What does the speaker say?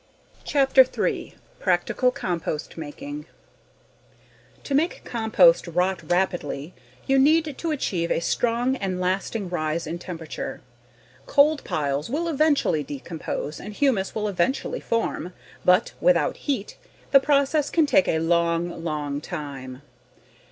CHAPTER THREE Practical Compost Making To make compost rot rapidly you need to achieve a strong and lasting rise in temperature. Cold piles will eventually decompose and humus will eventually form but, without heat, the process can take a long, long time.